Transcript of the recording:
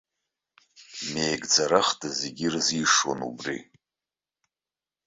Меигӡарахда зегьы ирзишон убри.